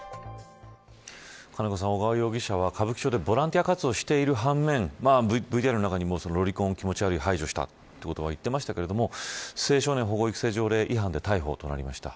金子さん、小川容疑者は歌舞伎町でボランティア活動をしている反面ＶＴＲの中にも、ロリコン気持ち悪い、排除したとか言っていましたが青少年保護育成条例違反で逮捕となりました。